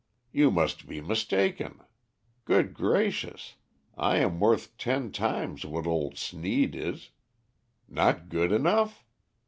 "You must be mistaken. Good gracious, I am worth ten times what old Sneed is. Not good enough?